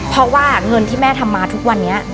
เพราะว่าเงินที่แม่ทำมาทุกวันนี้